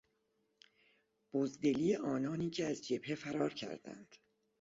بزدلی آنانی که از جبهه فرار کردند